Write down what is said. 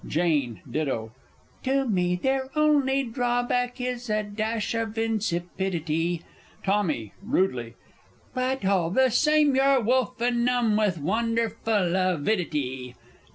Jane (ditto). To me, their only drawback is a dash of insipidity. Tommy (rudely). But, all the same, you're wolfing 'em with wonderful avidity!